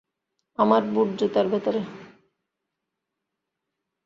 আমার বুট জুতার ভেতরে।